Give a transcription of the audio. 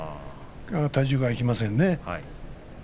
体重がいきませんね。